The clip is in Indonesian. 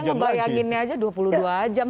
saya ngebayanginnya aja dua puluh dua jam